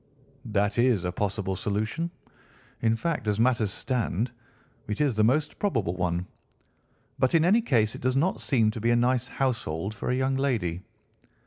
"That is a possible solution—in fact, as matters stand, it is the most probable one. But in any case it does not seem to be a nice household for a young lady."